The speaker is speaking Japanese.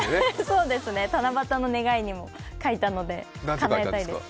そうですね、七夕の願いに書いたので、かなえたいです。